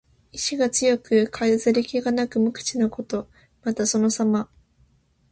意思が強く、飾り気がなく無口なこと。また、そのさま。